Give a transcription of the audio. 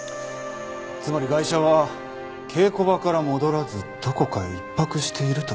つまりガイシャは稽古場から戻らずどこかへ１泊しているという事か。